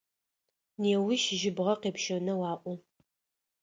Неущ жьыбгъэ къепщэнэу аӏо.